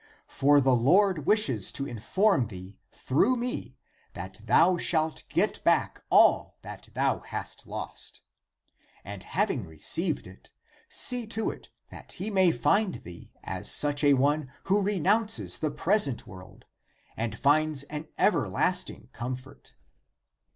For the Lord wishes to inform thee through me that thou shalt get back all that thou hast lost. And having received it, see to it that he may find thee as such a one who renounces the present world and finds an everlasting comfort.